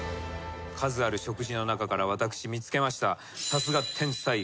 数ある食事の中から私見つけました。